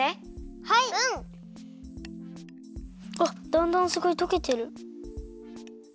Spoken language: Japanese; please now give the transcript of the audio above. わっだんだんすごいとけてる。